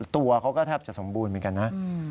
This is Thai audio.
ตัวเขาก็แทบจะสมบูรณ์เหมือนกันนะ